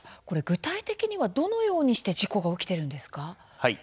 具体的にはどのようにして事故が起きているんですか？